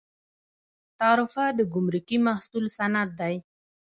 تعرفه د ګمرکي محصول سند دی